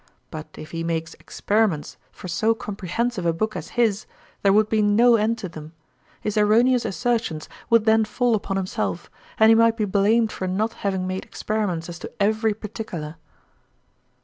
But if he makes experiments for so comprehensive a book as his, there would be no end to them: his erroneous assertions would then fall upon himself, and he might be blamed for not having made experiments as to every particular.'